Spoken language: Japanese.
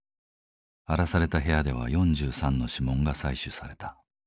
荒らされた部屋では４３の指紋が採取された。